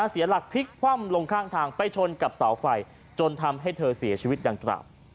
เสียหลักพลิกคว่ำลงข้างทางไปชนกับเสาไฟจนทำให้เธอเสียชีวิตดังกล่าว